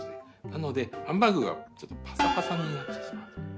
なのでハンバーグがちょっとパサパサになってしまうと。